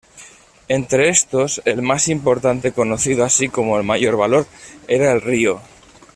Entre estos, el más importante, conocido así como de mayor valor, era el Ryō.